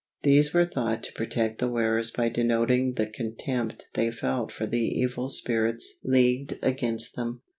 These were thought to protect the wearers by denoting the contempt they felt for the evil spirits leagued against them.